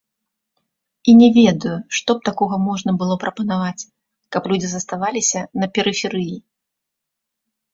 І не ведаю, што б такога можна было прапанаваць, каб людзі заставаліся на перыферыі.